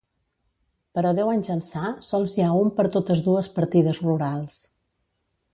Però deu anys ençà sols hi ha un per totes dues partides rurals.